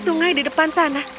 sungai di depan sana